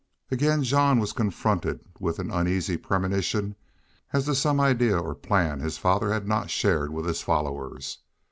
Again Jean was confronted with an uneasy premonition as to some idea or plan his father had not shared with his followers.